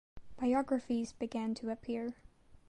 Biographies began to appear.